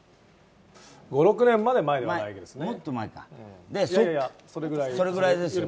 ５６年まで前ではないですね